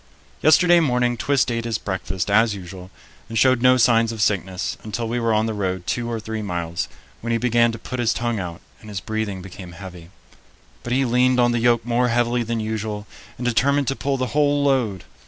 Yesterday morning Twist ate his breakfast as usual and showed no signs of sickness until we were on the road two or three miles, when he began to put his tongue out and his breathing became heavy. But he leaned on the yoke more heavily than usual and determined to pull the whole load.